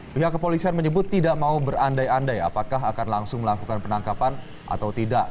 pihak kepolisian menyebut tidak mau berandai andai apakah akan langsung melakukan penangkapan atau tidak